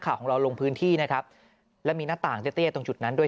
ข่าวของเราลงพื้นที่นะครับแล้วมีหน้าต่างเตี้ยตรงจุดนั้นด้วย